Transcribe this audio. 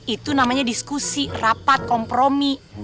itu namanya diskusi rapat kompromi